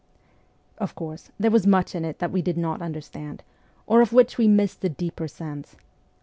Of course, there was much in it that we did not understand, or of which we missed the deeper sense.